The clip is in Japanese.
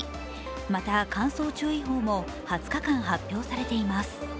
また乾燥注意報も２０日間、発表されています。